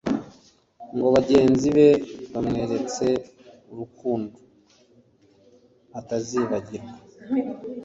ngo bagenzi be bamweretse urukundo atazibagirwa